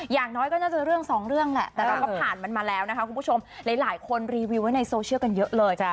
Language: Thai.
อย่างน้อยก็น่าจะเรื่องสองเรื่องแหละแต่เราก็ผ่านมันมาแล้วนะคะคุณผู้ชมหลายคนรีวิวไว้ในโซเชียลกันเยอะเลย